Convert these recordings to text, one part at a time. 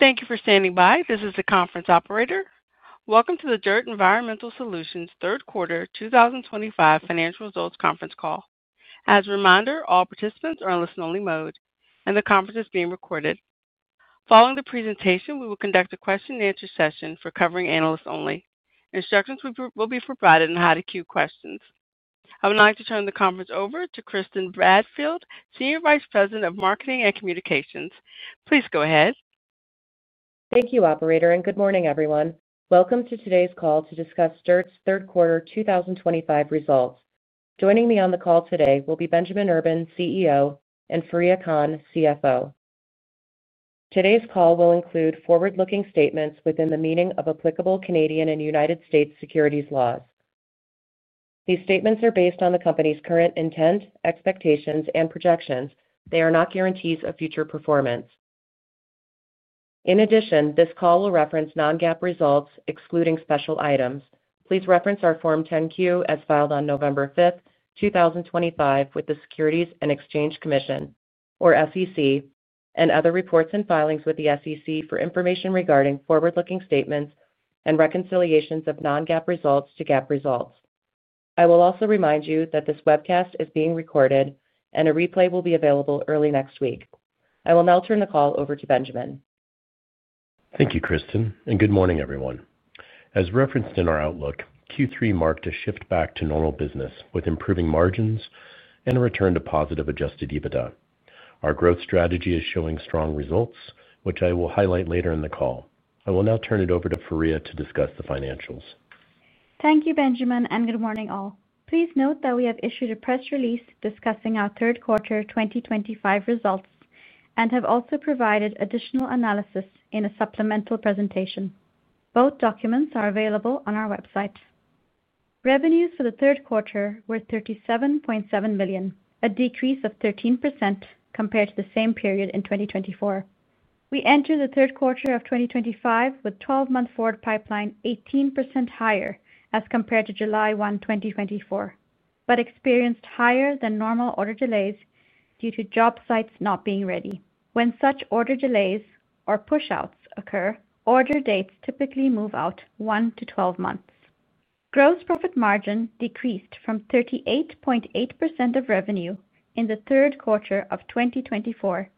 Thank you for standing by. This is the conference operator. Welcome to the DIRTT Environmental Solutions Third Quarter 2025 Financial Results Conference Call. As a reminder, all participants are in listen-only mode, and the conference is being recorded. Following the presentation, we will conduct a question-and-answer session for covering analysts only. Instructions will be provided on how to queue questions. I would now like to turn the conference over to Kristin Bradfield, Senior Vice President of Marketing and Communications. Please go ahead. Thank you, Operator, and good morning, everyone. Welcome to today's call to discuss DIRTT's Third Quarter 2025 Results. Joining me on the call today will be Benjamin Urban, CEO, and Fareeha Khan, CFO. Today's call will include forward-looking statements within the meaning of applicable Canadian and U.S. securities laws. These statements are based on the company's current intent, expectations, and projections. They are not guarantees of future performance. In addition, this call will reference non-GAAP results, excluding special items. Please reference our Form 10-Q as filed on November 5th, 2025, with the Securities and Exchange Commission, or SEC, and other reports and filings with the SEC for information regarding forward-looking statements and reconciliations of non-GAAP results to GAAP results. I will also remind you that this webcast is being recorded, and a replay will be available early next week. I will now turn the call over to Benjamin. Thank you, Kristin, and good morning, everyone. As referenced in our outlook, Q3 marked a shift back to normal business with improving margins and a return to positive adjusted EBITDA. Our growth strategy is showing strong results, which I will highlight later in the call. I will now turn it over to Fareeha to discuss the financials. Thank you, Benjamin, and good morning, all. Please note that we have issued a press release discussing our Third Quarter 2025 Results and have also provided additional analysis in a supplemental presentation. Both documents are available on our website. Revenues for the 3rd quarter were $37.7 million, a decrease of 13% compared to the same period in 2024. We entered the 3rd quarter of 2025 with a 12-month forward pipeline 18% higher as compared to July 1, 2024, but experienced higher-than-normal order delays due to job sites not being ready. When such order delays or push-outs occur, order dates typically move out 1-12 months. Gross profit margin decreased from 38.8% of revenue in the 3rd quarter of 2024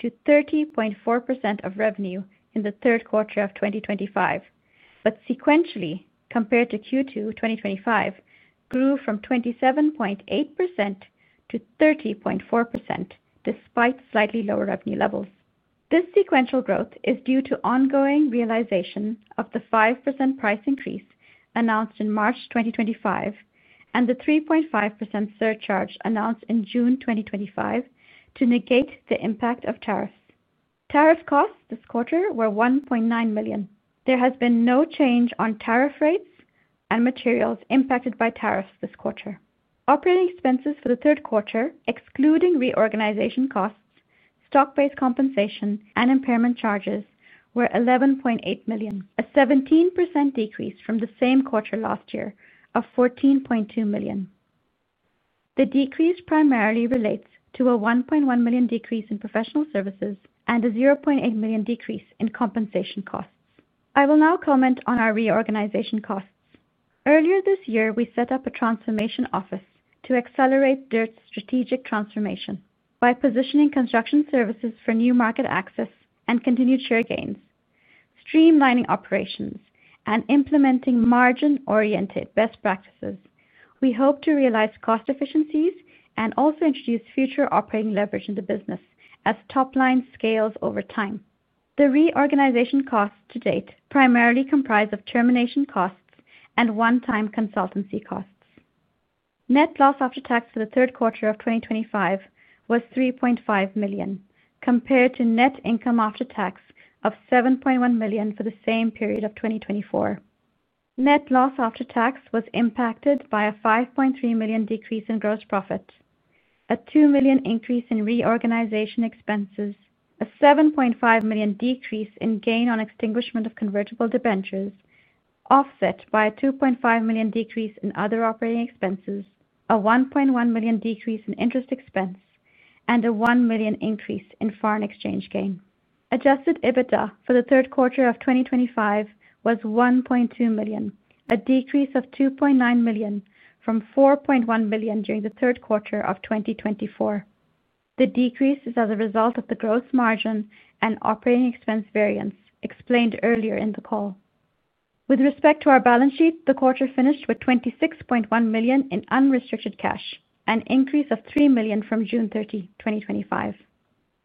to 30.4% of revenue in the 3rd quarter of 2025, but sequentially, compared to Q2 2025, grew from 27.8% to 30.4% despite slightly lower revenue levels. This sequential growth is due to ongoing realization of the 5% price increase announced in March 2025 and the 3.5% surcharge announced in June 2025 to negate the impact of tariffs. Tariff costs this quarter were $1.9 million. There has been no change on tariff rates and materials impacted by tariffs this quarter. Operating Expenses for the 3rd quarter, excluding Reorganization Costs, Stock-based Compensation, and Impairment Charges, were $11.8 million, a 17% decrease from the same quarter last year of $14.2 million. The decrease primarily relates to a $1.1 million decrease in professional services and a $0.8 million decrease in compensation costs. I will now comment on our reorganization costs. Earlier this year, we set up a transformation office to accelerate DIRTT's strategic transformation by positioning construction services for new market access and continued share gains, streamlining operations, and implementing margin-oriented best practices. We hope to realize cost efficiencies and also introduce future operating leverage in the business as top line scales over time. The reorganization costs to date primarily comprise termination costs and one-time consultancy costs. Net loss after tax for the 3rd quarter of 2025 was $3.5 million compared to net income after tax of $7.1 million for the same period of 2024. Net loss after tax was impacted by a $5.3 million decrease in gross profit, a $2 million increase in reorganization expenses, a $7.5 million decrease in gain on extinguishment of convertible debentures, offset by a $2.5 million decrease in other Operating Expenses, a $1.1 million decrease in Interest Expense, and a $1 million increase in foreign exchange gain. Adjusted EBITDA for the third quarter of 2025 was $1.2 million, a decrease of $2.9 million from $4.1 million during the 3rd quarter of 2024. The decrease is as a result of the Gross Margin and Operating Expense variance explained earlier in the call. With respect to our balance sheet, the quarter finished with $26.1 million in unrestricted cash, an increase of $3 million from June 30, 2025.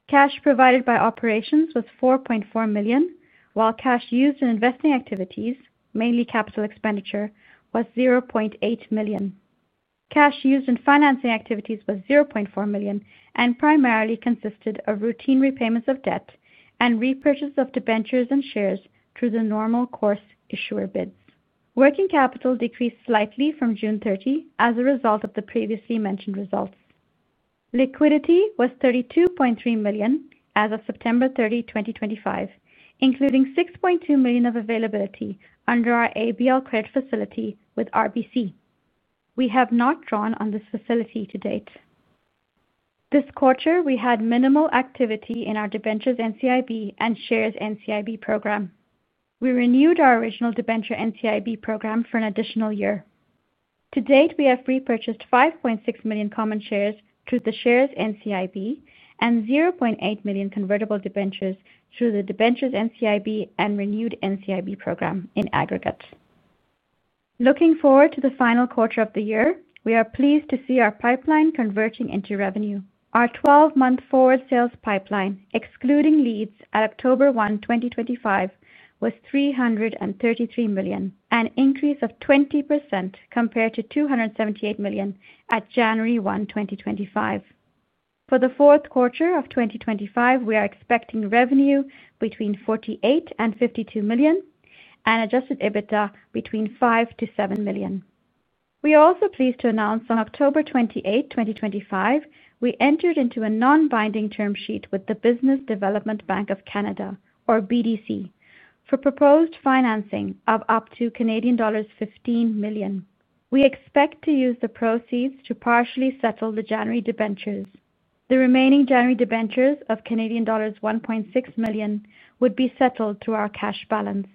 Cash provided by operations was $4.4 million, while cash used in investing activities, mainly capital expenditure, was $0.8 million. Cash used in financing activities was $0.4 million and primarily consisted of routine repayments of debt and repurchase of debentures and shares through the normal course issuer bids. Working capital decreased slightly from June 30 as a result of the previously mentioned results. Liquidity was $32.3 million as of September 30, 2025, including $6.2 million of availability under our ABL Credit Facility with RBC. We have not drawn on this facility to date. This quarter, we had minimal activity in our Debentures NCIB and Shares NCIB program. We renewed our original debenture NCIB program for an additional year. To date, we have repurchased 5.6 million common shares through the Shares NCIB and 0.8 million convertible debentures through the Debentures NCIB and renewed NCIB program in aggregate. Looking forward to the final quarter of the year, we are pleased to see our pipeline converting into revenue. Our 12-month forward sales pipeline, excluding leads at October 1, 2025, was $333 million, an increase of 20% compared to $278 million at January 1, 2025. For the 4th quarter of 2025, we are expecting revenue between $48-$52 million and adjusted EBITDA between $5-$7 million. We are also pleased to announce on October 28, 2025, we entered into a non-binding term sheet with the Business Development Bank of Canada, or BDC, for proposed financing of up to Canadian dollars 15 million. We expect to use the proceeds to partially settle the January debentures. The remaining January debentures of Canadian dollars 1.6 million would be settled through our cash balance.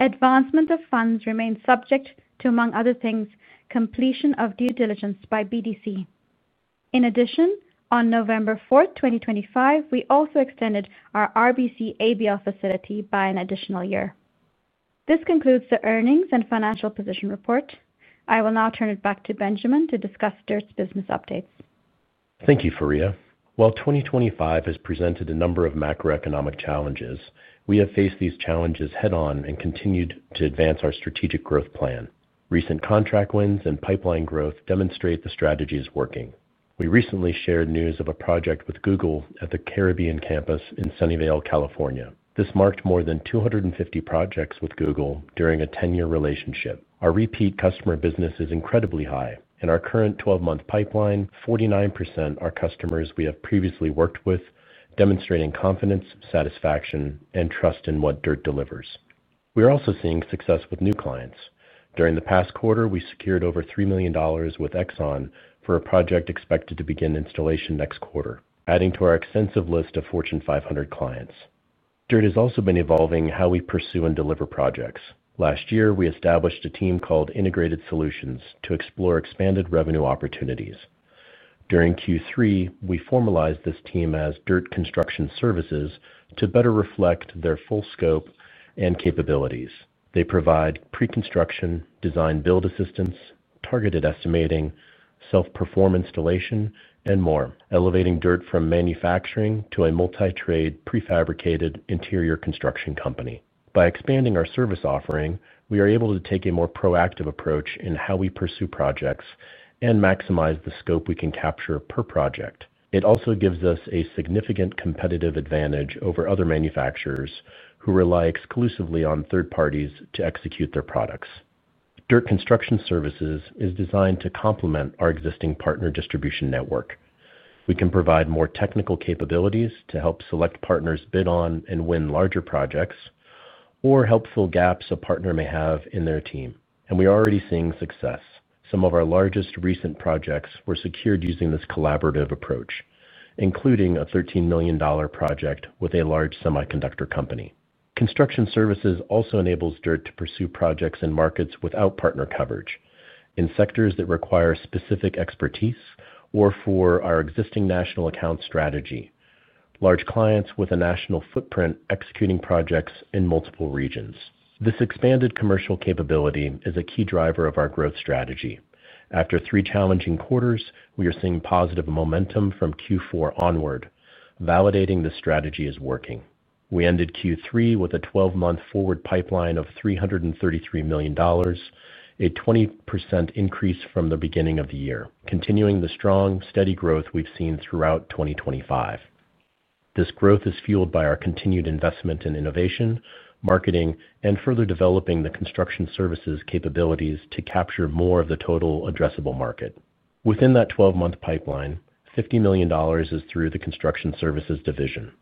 Advancement of funds remains subject to, among other things, completion of due diligence by BDC. In addition, on November 4, 2025, we also extended our RBC ABL facility by an additional year. This concludes the earnings and financial position report. I will now turn it back to Benjamin to discuss DIRTT's business updates. Thank you, Fareeha. While 2025 has presented a number of macroeconomic challenges, we have faced these challenges head-on and continued to advance our strategic growth plan. Recent contract wins and pipeline growth demonstrate the strategy is working. We recently shared news of a project with Google at the Caribbean campus in Sunnyvale, California. This marked more than 250 projects with Google during a 10-year relationship. Our repeat customer business is incredibly high, and of our current 12-month pipeline, 49% are customers we have previously worked with, demonstrating confidence, satisfaction, and trust in what DIRTT delivers. We are also seeing success with new clients. During the past quarter, we secured over $3 million with Exxon for a project expected to begin installation next quarter, adding to our extensive list of Fortune 500 clients. DIRTT has also been evolving how we pursue and deliver projects. Last year, we established a team called Integrated Solutions to explore expanded revenue opportunities. During Q3, we formalized this team as DIRTT Construction Services to better reflect their full scope and capabilities. They provide pre-construction, design-build assistance, targeted estimating, self-perform installation, and more, elevating DIRTT from manufacturing to a multi-trade, prefabricated interior construction company. By expanding our service offering, we are able to take a more proactive approach in how we pursue projects and maximize the scope we can capture per project. It also gives us a significant competitive advantage over other manufacturers who rely exclusively on 3rd parties to execute their products. DIRTT Construction Services is designed to complement our existing partner distribution network. We can provide more technical capabilities to help select partners bid on and win larger projects or help fill gaps a partner may have in their team. We are already seeing success. Some of our largest recent projects were secured using this collaborative approach, including a $13 million project with a Large Semiconductor Company. Construction Services also enables DIRTT to pursue projects in markets without partner coverage, in sectors that require specific expertise or for our existing national account strategy, large clients with a national footprint executing projects in multiple regions. This expanded commercial capability is a key driver of our growth strategy. After three challenging quarters, we are seeing positive momentum from Q4 onward, validating the strategy is working. We ended Q3 with a 12-month forward pipeline of $333 million, a 20% increase from the beginning of the year, continuing the strong, steady growth we have seen throughout 2025. This growth is fueled by our continued investment in innovation, marketing, and further developing the construction services capabilities to capture more of the total addressable market. Within that 12-month pipeline, $50 million is through the Construction Services division.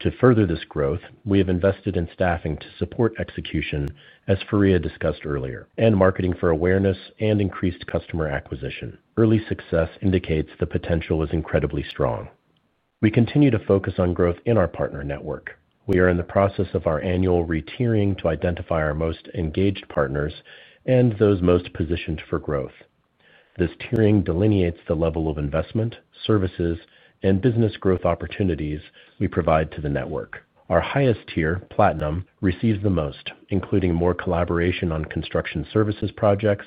To further this growth, we have invested in staffing to support execution, as Fareeha discussed earlier, and marketing for awareness and increased customer acquisition. Early success indicates the potential is incredibly strong. We continue to focus on growth in our partner network. We are in the process of our annual re-tiering to identify our most engaged partners and those most positioned for growth. This tiering delineates the level of investment, services, and business growth opportunities we provide to the network. Our highest tier, Platinum, receives the most, including more collaboration on construction services projects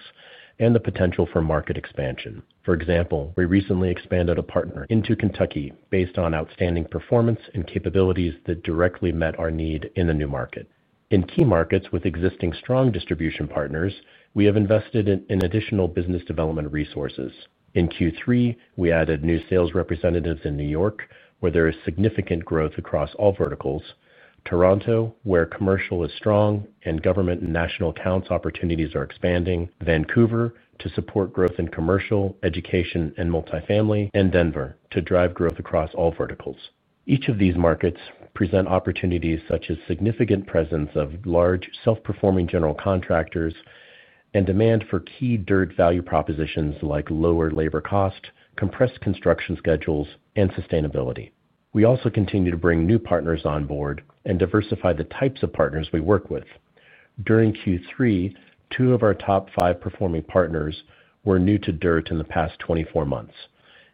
and the potential for market expansion. For example, we recently expanded a partner into Kentucky based on outstanding performance and capabilities that directly met our need in a new market. In key markets with existing strong distribution partners, we have invested in additional business development resources. In Q3, we added new sales representatives in New York, where there is significant growth across all verticals, Toronto, where commercial is strong and government and national accounts opportunities are expanding, Vancouver, to support growth in commercial, education, and multifamily, and Denver, to drive growth across all verticals. Each of these markets presents opportunities such as significant presence of Large Self-performing General Contractors and demand for key DIRTT value propositions like lower labor cost, compressed construction schedules, and sustainability. We also continue to bring new partners on board and diversify the types of partners we work with. During Q3, two of our top five performing partners were new to DIRTT in the past 24 months,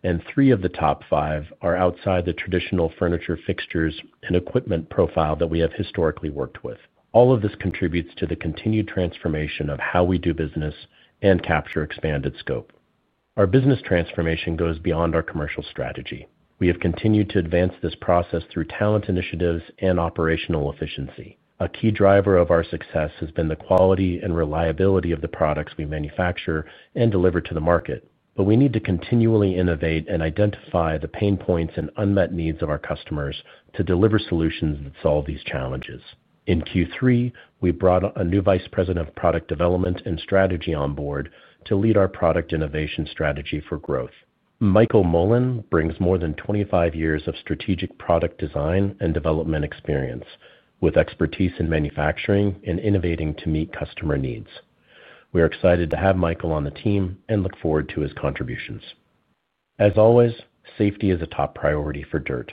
and three of the top five are outside the traditional furniture fixtures and equipment profile that we have historically worked with. All of this contributes to the continued transformation of how we do business and capture expanded scope. Our business transformation goes beyond our commercial strategy. We have continued to advance this process through talent initiatives and operational efficiency. A key driver of our success has been the quality and reliability of the products we manufacture and deliver to the market, but we need to continually innovate and identify the pain points and unmet needs of our customers to deliver solutions that solve these challenges. In Q3, we brought a new Vice President of Product Development and Strategy on board to lead our product innovation strategy for growth. Michael Mullen brings more than 25 years of strategic product design and development experience with expertise in manufacturing and innovating to meet customer needs. We are excited to have Michael on the team and look forward to his contributions. As always, safety is a top priority for DIRTT.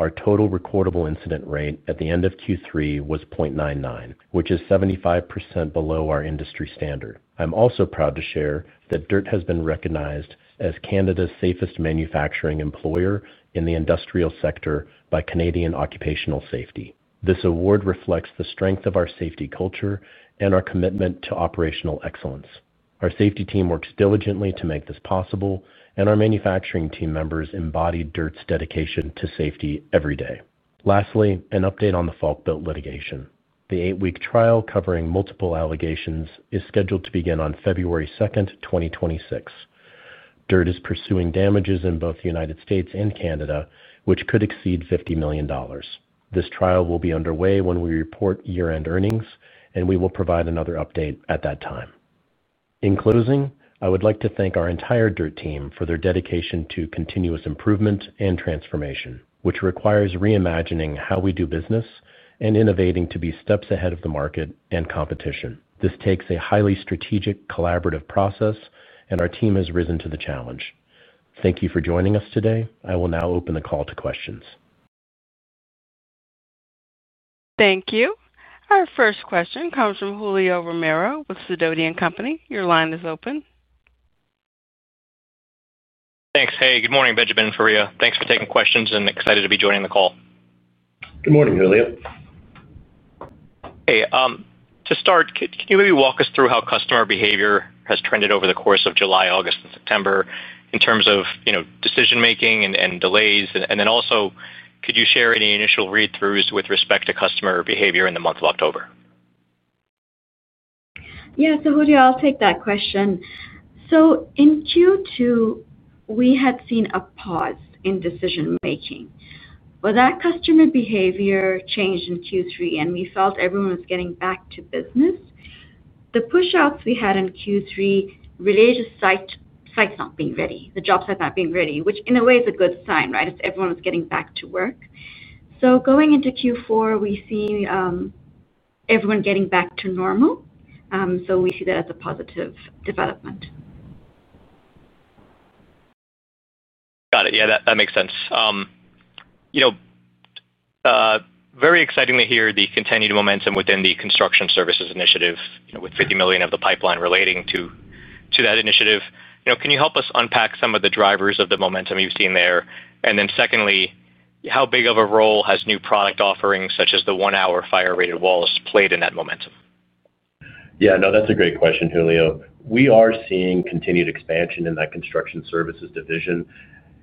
Our total recordable incident rate at the end of Q3 was 0.99, which is 75% below our industry standard. I'm also proud to share that DIRTT has been recognized as Canada's safest manufacturing employer in the industrial sector by Canadian Occupational Safety. This award reflects the strength of our safety culture and our commitment to operational excellence. Our safety team works diligently to make this possible, and our manufacturing team members embody DIRTT's dedication to safety every day. Lastly, an update on the Falkbuilt Litigation. The eight-week trial covering multiple allegations is scheduled to begin on February 2nd, 2026. DIRTT is pursuing damages in both the United States and Canada, which could exceed $50 million. This trial will be underway when we report year-end earnings, and we will provide another update at that time. In closing, I would like to thank our entire DIRTT team for their dedication to continuous improvement and transformation, which requires reimagining how we do business and innovating to be steps ahead of the market and competition. This takes a highly strategic, collaborative process, and our team has risen to the challenge. Thank you for joining us today. I will now open the call to questions. Thank you. Our first question comes from Julio Romero with Sidoti & Company. Your line is open. Thanks. Hey, good morning, Benjamin and Fareeha. Thanks for taking questions and excited to be joining the call. Good morning, Julio. Hey. To start, can you maybe walk us through how customer behavior has trended over the course of July, August, and September in terms of decision-making and delays? Could you share any initial read-throughs with respect to customer behavior in the month of October? Yeah. Julio, I'll take that question. In Q2, we had seen a pause in decision-making. That customer behavior changed in Q3, and we felt everyone was getting back to business. The push-outs we had in Q3 related to sites not being ready, the job sites not being ready, which in a way is a good sign, right? Everyone was getting back to work. Going into Q4, we see everyone getting back to normal. We see that as a positive development. Got it. Yeah, that makes sense. Very exciting to hear the continued momentum within the Construction Services Initiative with $50 million of the pipeline relating to that initiative. Can you help us unpack some of the drivers of the momentum you've seen there? Secondly, how big of a role has new product offerings such as the One-hour Fire-rated Walls played in that momentum? Yeah. No, that's a great question, Julio. We are seeing continued expansion in that Construction Services division.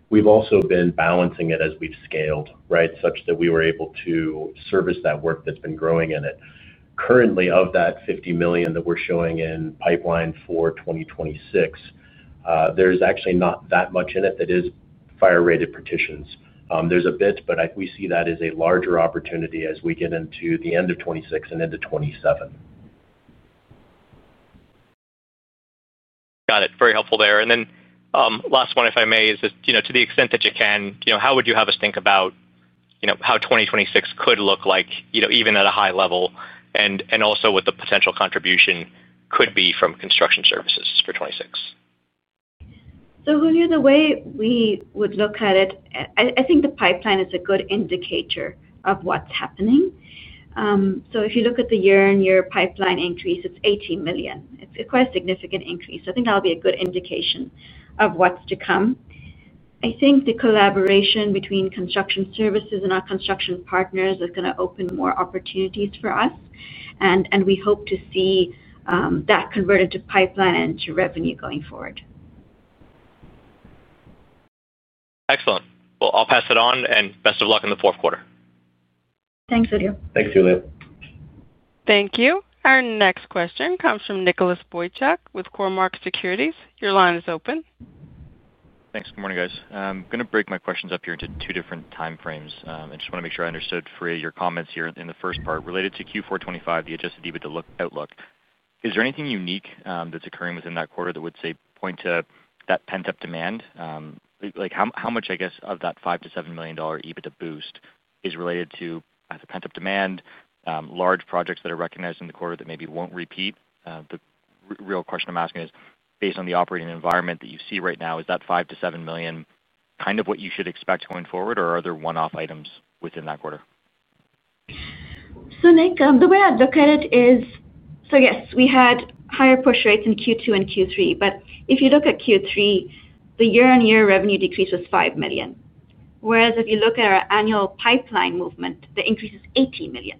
We've also been balancing it as we've scaled, right, such that we were able to service that work that's been growing in it. Currently, of that $50 million that we're showing in pipeline for 2026, there's actually not that much in it that is Fire-rated Partitions. There's a bit, but we see that as a larger opportunity as we get into the end of 2026 and into 2027. Got it. Very helpful there. Last one, if I may, is to the extent that you can, how would you have us think about how 2026 could look like even at a high level and also what the potential contribution could be from Construction Services for 2026? Julio, the way we would look at it, I think the pipeline is a good indicator of what's happening. If you look at the year-on-year pipeline increase, it's $18 million. It's quite a significant increase. I think that'll be a good indication of what's to come. I think the collaboration between Construction Services and our construction partners is going to open more opportunities for us. We hope to see that convert into pipeline and into revenue going forward. Excellent. I'll pass it on, and best of luck in the 4th quarter. Thanks, Julio. Thanks, Julio. Thank you. Our next question comes from Nicholas Boychuk with Cormark Securities. Your line is open. Thanks. Good morning, guys. I'm going to break my questions up here into two different time frames. I just want to make sure I understood, Fareeha, your comments here in the 1st part related to Q4 2025, the adjusted EBITDA outlook. Is there anything unique that's occurring within that quarter that would, say, point to that pent-up demand? How much, I guess, of that $5-$7 million EBITDA boost is related to pent-up demand, large projects that are recognized in the quarter that maybe won't repeat? The real question I'm asking is, based on the operating environment that you see right now, is that $5-$7 million kind of what you should expect going forward, or are there one-off items within that quarter? Nick, the way I'd look at it is, yes, we had higher push rates in Q2 and Q3, but if you look at Q3, the year-on-year revenue decrease was $5 million. Whereas if you look at our annual pipeline movement, the increase is $18 million,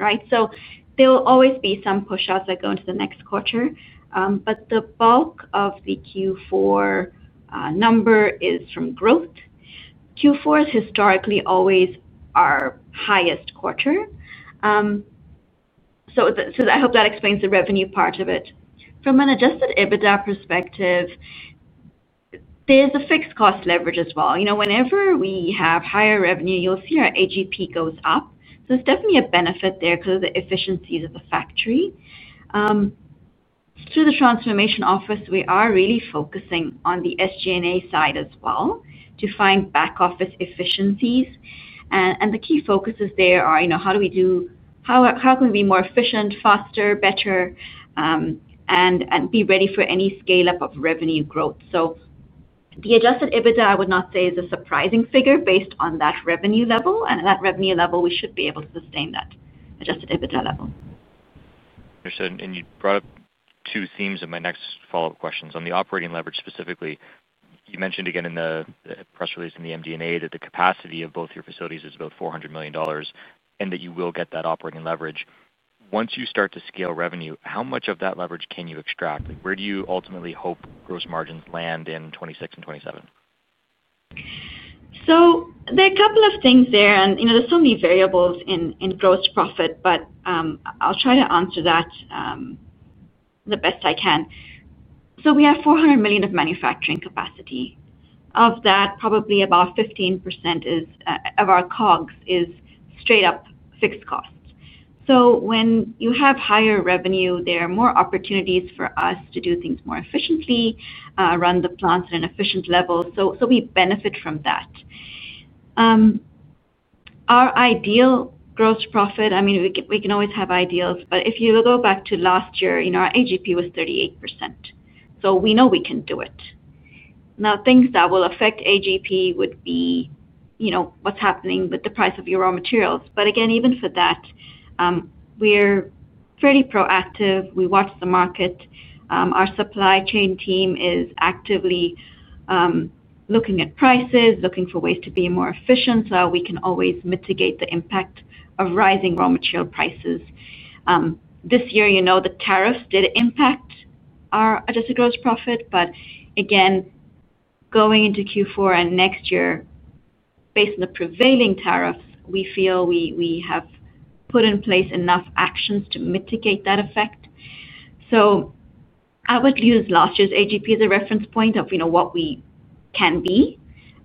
right? There will always be some push-outs that go into the next quarter, but the bulk of the Q4 number is from growth. Q4 is historically always our highest quarter. I hope that explains the revenue part of it. From an adjusted EBITDA perspective, there's a fixed cost leverage as well. Whenever we have higher revenue, you'll see our AGP goes up. It's definitely a benefit there because of the efficiencies of the factory. Through the transformation office, we are really focusing on the SG&A side as well to find back-office efficiencies. The key focuses there are how do we do. How can we be more efficient, faster, better. Be ready for any scale-up of revenue growth? The adjusted EBITDA, I would not say, is a surprising figure based on that revenue level. At that revenue level, we should be able to sustain that adjusted EBITDA level. Understood. You brought up two themes of my next follow-up questions. On the operating leverage specifically, you mentioned again in the press release and the MD&A that the capacity of both your facilities is about $400 million and that you will get that operating leverage. Once you start to scale revenue, how much of that leverage can you extract? Where do you ultimately hope gross margins land in 2026 and 2027? There are a couple of things there, and there are so many variables in gross profit, but I'll try to answer that the best I can. We have $400 million of manufacturing capacity. Of that, probably about 15% of our COGS is straight-up fixed costs. When you have higher revenue, there are more opportunities for us to do things more efficiently, run the plants at an efficient level. We benefit from that. Our ideal gross profit, I mean, we can always have ideals, but if you go back to last year, our AGP was 38%. We know we can do it. Now, things that will affect AGP would be what's happening with the price of your raw materials. Again, even for that, we're fairly proactive. We watch the market. Our supply chain team is actively. Looking at prices, looking for ways to be more efficient so we can always mitigate the impact of rising raw material prices. This year, the tariffs did impact our adjusted gross profit, but again. Going into Q4 and next year, based on the prevailing tariffs, we feel we have put in place enough actions to mitigate that effect. I would use last year's AGP as a reference point of what we can be.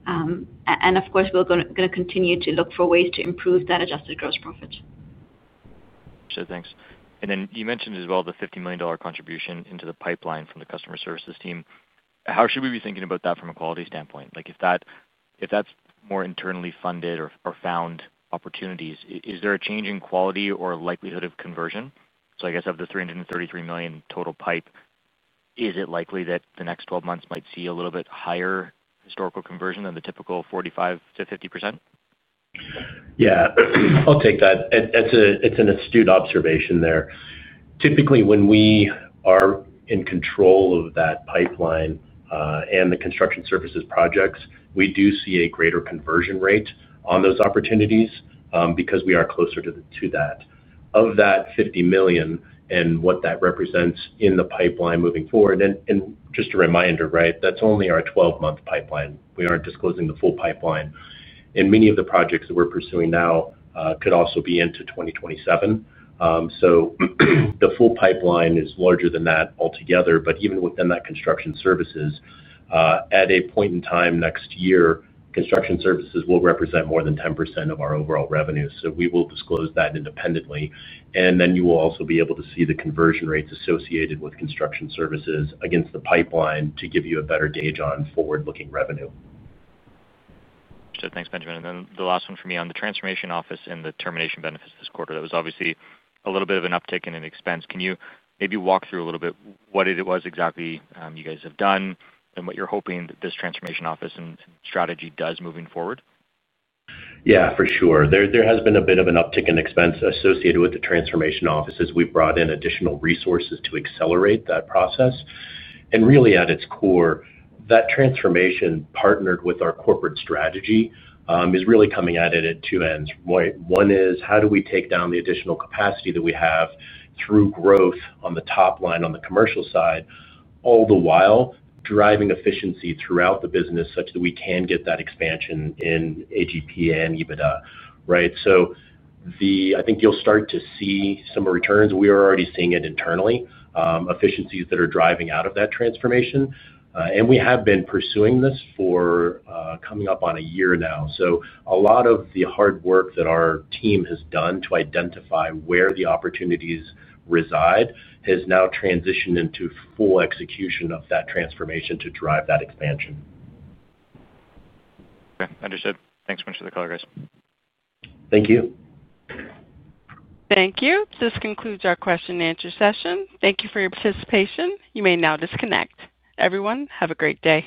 Of course, we're going to continue to look for ways to improve that adjusted gross profit. Understood. Thanks. You mentioned as well the $50 million contribution into the pipeline from the customer services team. How should we be thinking about that from a quality standpoint? If that's more internally funded or found opportunities, is there a change in quality or likelihood of conversion? I guess of the $333 million total pipe, is it likely that the next 12 months might see a little bit higher historical conversion than the typical 45-50%? Yeah. I'll take that. It's an astute observation there. Typically, when we are in control of that pipeline and the construction services projects, we do see a greater conversion rate on those opportunities because we are closer to that. Of that $50 million and what that represents in the pipeline moving forward, and just a reminder, right, that's only our 12-month pipeline. We aren't disclosing the full pipeline. Many of the projects that we're pursuing now could also be into 2027. The full pipeline is larger than that altogether, but even within that construction services. At a point in time next year, construction services will represent more than 10% of our overall revenue. We will disclose that independently. You will also be able to see the conversion rates associated with construction services against the pipeline to give you a better gauge on forward-looking revenue. Understood. Thanks, Benjamin. The last one for me on the transformation office and the termination benefits this quarter. That was obviously a little bit of an uptick in expense. Can you maybe walk through a little bit what it was exactly you guys have done and what you're hoping that this transformation office and strategy does moving forward? Yeah, for sure. There has been a bit of an uptick in expense associated with the transformation office as we've brought in additional resources to accelerate that process. Really, at its core, that transformation, partnered with our corporate strategy, is really coming at it at two ends. One is, how do we take down the additional capacity that we have through growth on the top line on the commercial side, all the while driving efficiency throughout the business such that we can get that expansion in AGP and EBITDA, right? I think you'll start to see some returns. We are already seeing it internally, efficiencies that are driving out of that transformation. We have been pursuing this for coming up on a year now. A lot of the hard work that our team has done to identify where the opportunities reside has now transitioned into full execution of that transformation to drive that expansion. Okay. Understood. Thanks so much for the call, guys. Thank you. Thank you. This concludes our question-and-answer session. Thank you for your participation. You may now disconnect. Everyone, have a great day.